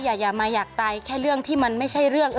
อย่ามาอยากตายแค่เรื่องที่มันไม่ใช่เรื่อง